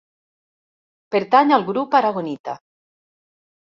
Pertany al grup aragonita.